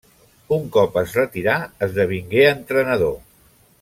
Un cop es retirà esdevingué entrenador.